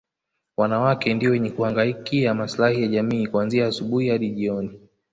Wanawake ndio wenye kuhangaikia maslahi ya jamii kuanzia asubuhi hadi jioni